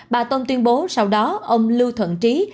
bà tôn tuyên bố sau đó ông lưu thuận trí